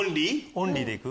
オンリーで行く？